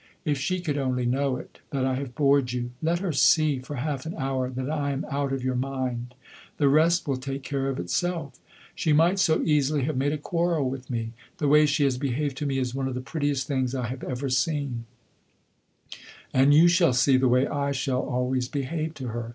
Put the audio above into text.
If she could only know it that I have bored you! Let her see for half an hour that I am out of your mind the rest will take care of itself. She might so easily have made a quarrel with me. The way she has behaved to me is one of the prettiest things I have ever seen, and you shall see the way I shall always behave to her!